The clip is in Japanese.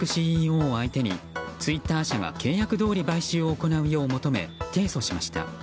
ＣＥＯを相手にツイッター社が契約どおり買収を行うよう求め提訴しました。